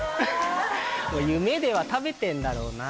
夢では食べてんだろうな。